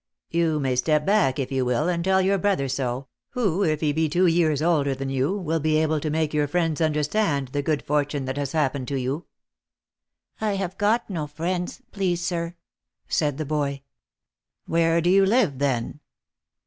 You may step back, if you will, and tell your brother so, who, if he be two years older than you, will be able to make your friends un derstand the good fortune that has happened to you." " I have got no friends, please sir," said the boy. " Where do you live then